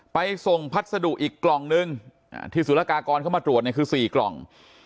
ไปส่งพัสดุอีกกล่องนึงที่สุรกากรเข้ามาตรวจเนี่ยคือ๔กล่อง